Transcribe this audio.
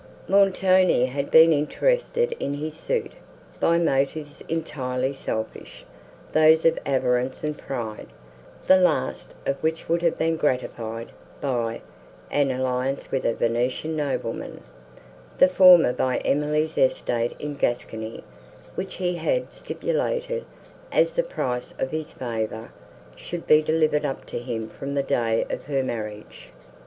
Montoni had been interested in his suit, by motives entirely selfish, those of avarice and pride; the last of which would have been gratified by an alliance with a Venetian nobleman, the former by Emily's estate in Gascony, which he had stipulated, as the price of his favour, should be delivered up to him from the day of her marriage.